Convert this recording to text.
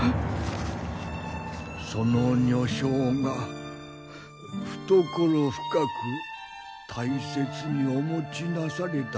その女性が懐深く大切にお持ちなされたものでございます。